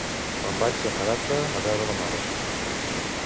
Me'n vaig a Marata a veure la mare